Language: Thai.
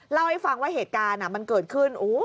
เล่าให้ฟังว่าเหตุการณ์มันเกิดขึ้น